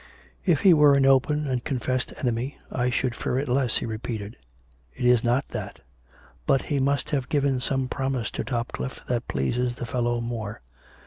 " If he were an open and confessed enemy, I should fear it less," he repeated. "It is not that. But he must have given some promise to Topcliffe that pleases the fellow more.